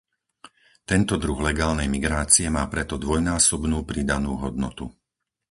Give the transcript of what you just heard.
Tento druh legálnej migrácie má preto dvojnásobnú pridanú hodnotu.